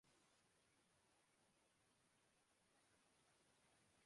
اس آزادی کا حال آپ ابصار عالم صاحب چیئرمین پیمرا سے پوچھیے